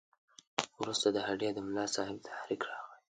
وروسته د هډې د ملاصاحب تحریک راغی.